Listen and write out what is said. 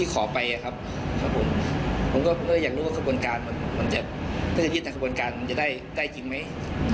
ในประหลาดบนการมันจะได้ได้จริงไหม